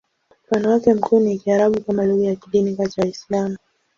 Mfano wake mkuu ni Kiarabu kama lugha ya kidini kati ya Waislamu.